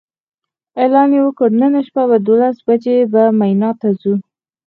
اعلان یې وکړ نن شپه دولس بجې به مینا ته ځو.